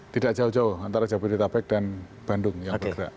tidak jauh jauh antara jabodetabek dan bandung yang bergerak